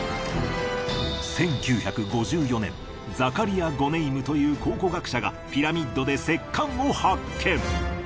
１９５４年ザカリア・ゴネイムという考古学者がピラミッドで石棺を発見。